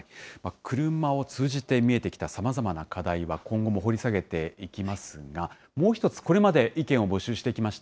車を通じて見えてきたさまざまな課題は、今後も掘り下げていきますが、もう１つ、これまで意見を募集してきました